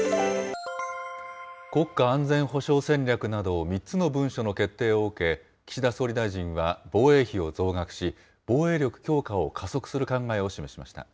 国家安全保障戦略など、３つの文書の決定を受け、岸田総理大臣は防衛費を増額し、防衛力強化を加速する考えを示しました。